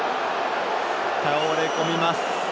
倒れ込みます。